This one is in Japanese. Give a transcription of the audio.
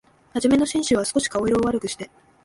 はじめの紳士は、すこし顔色を悪くして、